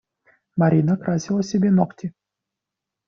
Марина красила себе ногти.